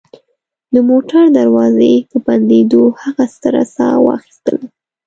د موټر دروازې په بندېدو هغه ستره ساه واخیستله